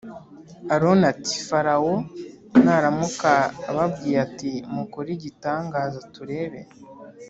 Aroni ati “Farawo naramuka ababwiye ati mukore igitangaza turebe”